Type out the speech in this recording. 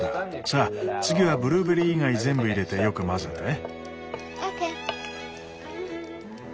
さあ次はブルーベリー以外全部入れてよく混ぜて。